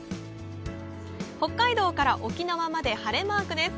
北海道から沖縄まで晴れマークです。